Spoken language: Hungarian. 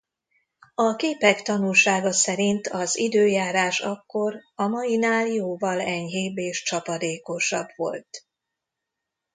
A képek tanúsága szerint az időjárás akkor a mainál jóval enyhébb és csapadékosabb volt.